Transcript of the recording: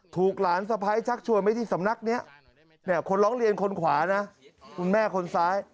ถูกหลานสะพ้ายชักชวนไปที่สำนักนี้คนร้องเรียนคนขวานะคุณแม่คนซ้าย